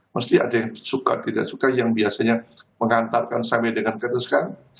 mesti ada yang suka tidak suka yang biasanya mengantarkan sampai dengan kata sekarang